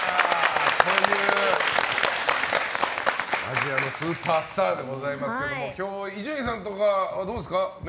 アジアのスーパースターでございますけれども今日、伊集院さんとかはどうですか？